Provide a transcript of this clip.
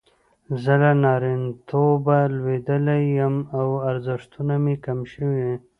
زه له نارینتوبه لویدلی یم او ارزښتونه مې کم شوي.